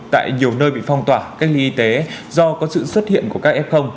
tại nhiều nơi bị phong tỏa cách ly y tế do có sự xuất hiện của các f